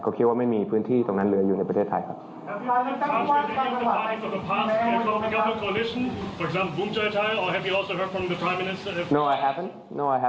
ตอนนี้ไม่มีสัญลักษณีย์พูดถึงการกลับมา